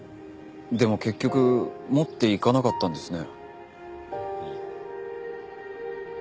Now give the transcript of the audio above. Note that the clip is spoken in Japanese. でも結局持っていかなかったんですね。